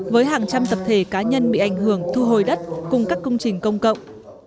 với hàng trăm tập thể cá nhân bị ảnh hưởng thu hồi đất cùng các công trình công cộng